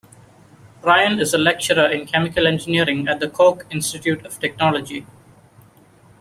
Ryan is a lecturer in Chemical Engineering at the Cork Institute of Technology.